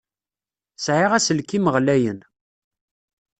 Sɛiɣ aselkim ɣlayen.